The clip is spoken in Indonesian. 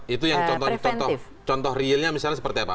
itu yang contoh realnya misalnya seperti apa